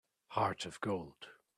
Heart of gold